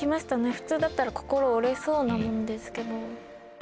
普通だったら心折れそうなもんですけど。